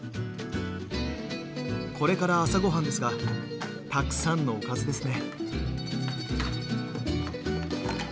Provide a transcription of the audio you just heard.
これから朝ごはんですがたくさんのおかずですね。